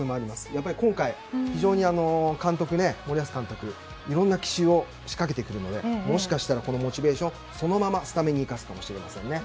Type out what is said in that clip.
やっぱり今回森保監督いろんな奇襲を仕掛けてくるのでもしかしたらこのモチベーションをそのままスタメンに生かすかもしれませんね。